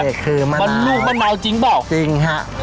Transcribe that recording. นี่คือมะนาวจริงหรือเปล่ามะนาวมะนาวจริงหรือเปล่า